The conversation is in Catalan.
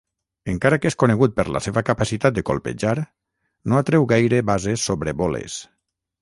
Encara que és conegut per la seva capacitat de colpejar, no atreu gaire bases sobre boles.